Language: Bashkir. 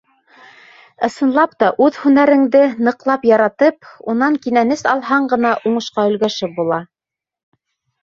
Ысынлап та, үҙ һөнәреңде ныҡлап яратып, унан кинәнес алһаң ғына, уңышҡа өлгәшеп була.